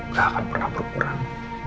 gak akan pernah berkurang